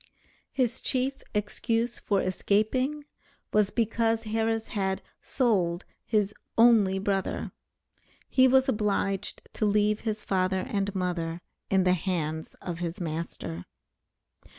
His chief excuse for escaping, was because Harris had "sold" his "only brother." He was obliged to leave his father and mother in the hands of his master.